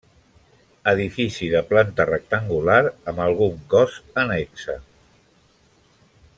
Edifici de planta rectangular amb algun cos annexa.